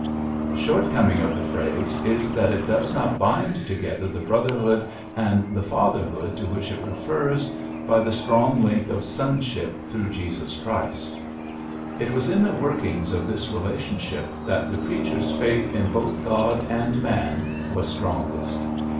The shortcoming of the phrase is that it does not bind together the brotherhood and the father PHILLIPS BEOOKS 61 hood to which it refers by the strong link of sonship through Jesus Christ. It was in the workings of this relation ship that the preacher's faith in both God and man was strongest.